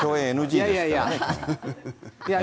いやいやいや。